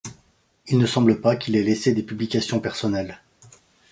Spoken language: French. Il ne semble pas qu'il ait laissé des publications personnelles.